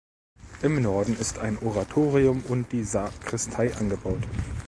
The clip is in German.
Im Norden ist ein Oratorium und die Sakristei angebaut.